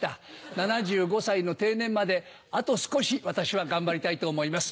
７５歳の定年まで、あと少し、私は頑張りたいと思います。